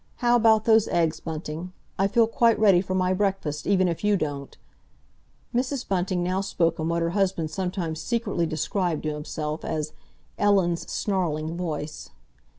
How about those eggs, Bunting? I feel quite ready for my breakfast even if you don't—" Mrs. Bunting now spoke in what her husband sometimes secretly described to himself as "Ellen's snarling voice."